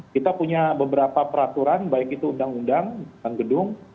kita punya beberapa peraturan baik itu undang undang gedung